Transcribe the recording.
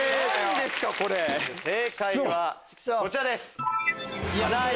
正解はこちらです。